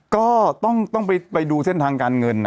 ก็ต้องไปดูเส้นทางการเงินนะ